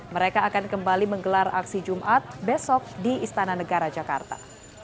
mereka akan kembali menggelar aksi jumat besok di istana negara jakarta